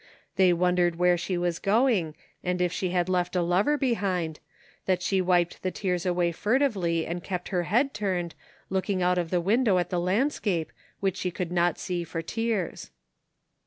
They wondered where she was going, and if she had left a lover behind, that she wiped the tears away furtively and kept her head turned, looking out of the window at the landscape, which she could not see for tears.